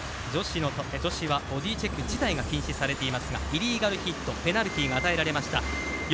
女子はボディチェック自体が禁止されていますがイリーガルヒットペナルティーが与えられました。